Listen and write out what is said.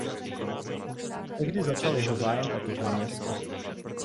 Tehdy začal jeho zájem o toto město.